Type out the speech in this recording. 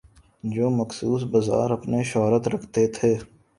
جو مخصوص بازار اپنی شہرت رکھتے تھے۔